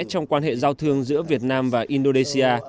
trong quan hệ giao thương giữa việt nam và indonesia